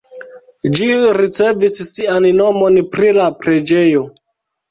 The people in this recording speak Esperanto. Ĝi ricevis sian nomon pri la preĝejo.